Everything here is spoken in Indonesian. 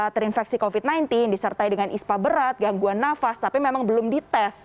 terinfeksi covid sembilan belas disertai dengan ispa berat gangguan nafas tapi memang belum dites